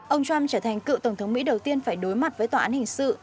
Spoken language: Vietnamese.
ông trump trở thành cựu tổng thống mỹ đầu tiên phải đối mặt với tòa án hình sự